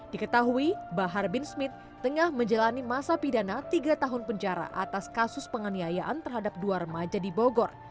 diketahui bahar bin smith tengah menjalani masa pidana tiga tahun penjara atas kasus penganiayaan terhadap dua remaja di bogor